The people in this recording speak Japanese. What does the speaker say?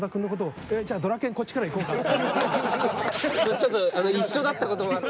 ちょっと一緒だったこともあって。